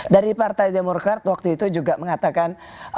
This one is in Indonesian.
dari partai demokrat waktu itu juga mengatakan